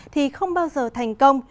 thì không bao giờ thành công